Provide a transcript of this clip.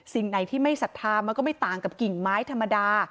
สิ่งไหนที่ไม่ศรัทธามันก็ไม่ต่างกับกิ่งไม้ธรรมดา